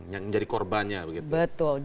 yang menjadi korbannya betul